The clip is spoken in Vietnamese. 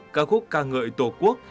ca khúc ca ngợi tổ quốc